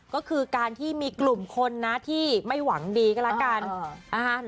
ก็คือการที่มีกลุ่มคนนะที่ไม่หวังดีก็แล้วกัน